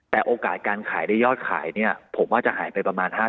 แต่โอกาสการขายได้ยอดขายเนี่ยผมว่าจะหายไปประมาณ๕๐